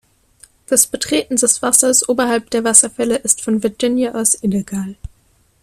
Das Betreten des Wassers oberhalb der Wasserfälle ist von Virginia aus illegal.